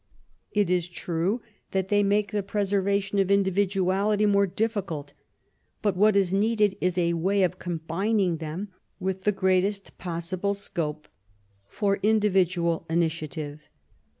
It is true that they make the preservation of individuality more difficult, but what is needed is a way of combining them with the greatest possible scope for individual initiative.